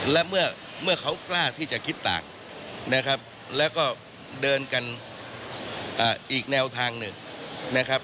และเมื่อเขากล้าที่จะคิดต่างนะครับแล้วก็เดินกันอีกแนวทางหนึ่งนะครับ